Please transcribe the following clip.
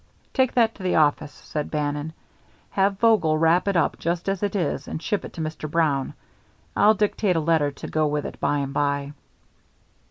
"Take that to the office," said Bannon. "Have Vogel wrap it up just as it is and ship it to Mr. Brown. I'll dictate a letter to go with it by and by."